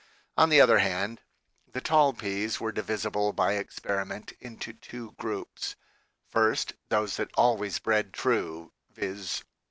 On the other hand, the tall peas were divisible by experiment into two groups ; first, those that always bred true, viz.